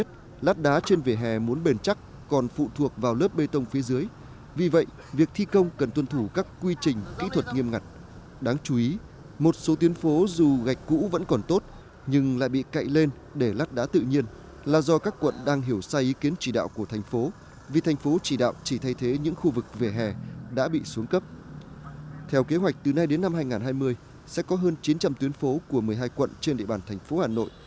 theo kế hoạch từ nay đến năm hai nghìn hai mươi sẽ có hơn chín trăm linh tuyến phố của một mươi hai quận trên địa bàn thành phố hà nội